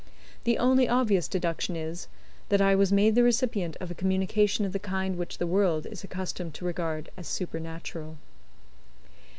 The only obvious deduction is, that I was made the recipient of a communication of the kind which the world is accustomed to regard as supernatural.